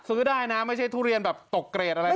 ซื้อได้นะไม่ใช่ทุเรียนแบบตกเกรดอะไร